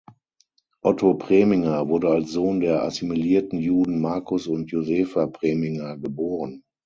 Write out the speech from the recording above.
Otto Preminger wurde als Sohn der assimilierten Juden Markus und Josefa Preminger geboren.